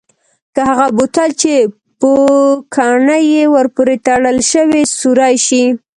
که هغه بوتل چې پوکڼۍ ور پورې تړل شوې سوړ شي؟